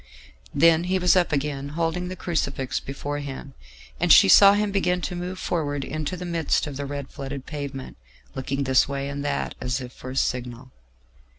Then he was up again, holding the crucifix before him, and she saw him begin to move forward into the midst of the red flooded pavement, looking this way and that as if for a signal.